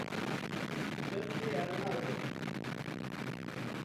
من تێیان ناگەم.